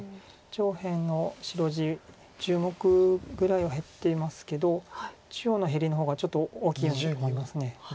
上辺の白地１０目ぐらいは減っていますけど中央の減りの方がちょっと大きいように思います。